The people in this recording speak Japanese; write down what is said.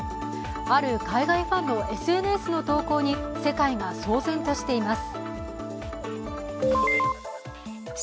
ある海外ファンのＳＮＳの投稿に世界が騒然としています。